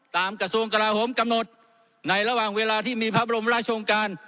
กระทรวงกลาโหมกำหนดในระหว่างเวลาที่มีพระบรมราชงการ